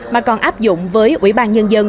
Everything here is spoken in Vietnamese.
mà còn áp dụng với ủy ban nhân dân